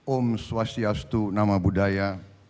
om swastiastu nama budaya